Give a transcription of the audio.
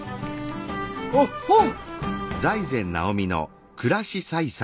おっほん！